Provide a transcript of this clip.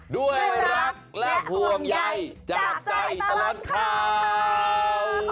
ด้วยรักและภวมใหญ่จากใจตลัดข่าว